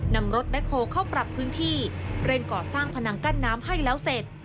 นำรถแคลเข้าปรับพื้นที่เร่งก่อสร้างพนังกั้นน้ำให้แล้วเสร็จ